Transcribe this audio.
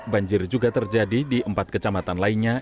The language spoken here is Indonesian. banjir juga terjadi di empat kecamatan lainnya